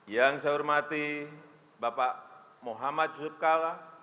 yang saya hormati bapak muhammad yusuf kalla